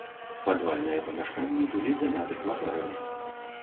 Падвальныя памяшканні былі заняты кватэрамі.